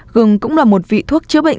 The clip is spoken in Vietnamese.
gừng cũng là một vị thuốc chữa bệnh